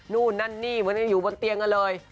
นู่นนั่นนี่อยู่บนเตียงอ่ะเลย